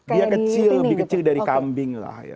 dia kecil lebih kecil dari kambing